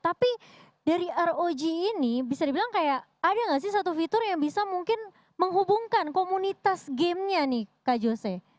tapi dari rog ini bisa dibilang kayak ada nggak sih satu fitur yang bisa mungkin menghubungkan komunitas gamenya nih kak jose